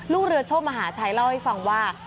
ลูกเรือโชคมหาชัยเล่าให้ฟังว่า